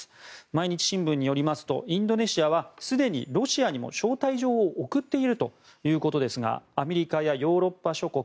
毎日新聞によりますとインドネシアはすでにロシアにも招待状を送っているということですがアメリカやヨーロッパ諸国